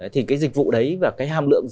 thì cái dịch vụ đấy và cái hàm lượng